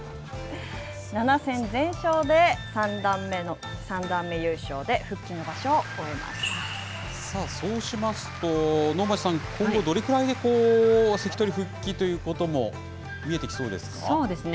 ７戦全勝で３段目優勝で、そうしますと、能町さん、今後、どれぐらいで関取復帰ということも見えてきそうですか。